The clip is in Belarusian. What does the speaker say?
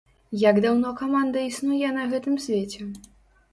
Як даўно каманда існуе на гэтым свеце?